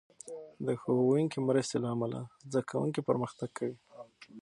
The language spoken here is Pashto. د ښوونکې مرستې له امله، زده کوونکي پرمختګ کوي.